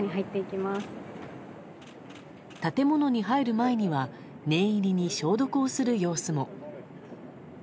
建物に入る前には念入りに消毒をする様子も。